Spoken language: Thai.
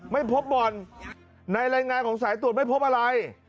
ไม่พบบ่อนในรายงานของสายตรวจไม่พบอะไร